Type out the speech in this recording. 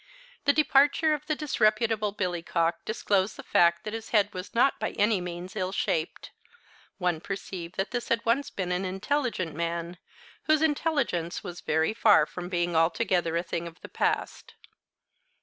The departure of the disreputable billycock disclosed the fact that his head was not by any means ill shaped. One perceived that this had once been an intelligent man, whose intelligence was very far from being altogether a thing of the past.